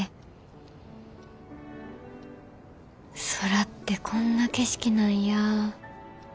空ってこんな景色なんや。